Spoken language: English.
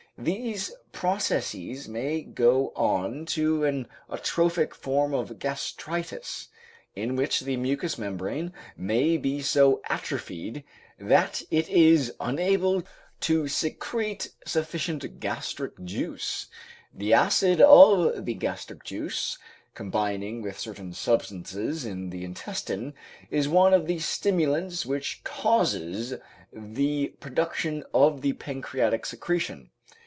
These processes may go on to an atrophic form of gastritis, in which the mucous membrane may be so atrophied that it is unable to secret sufficient gastric juice. The acid of the gastric juice, combining with certain substances in the intestine, is one of the stimulants which causes the production of the pancreatic secretion.